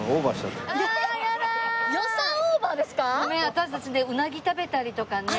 私たちねうなぎ食べたりとかね。